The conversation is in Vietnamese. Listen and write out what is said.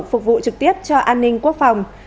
phục vụ trực tiếp cho an ninh quốc phòng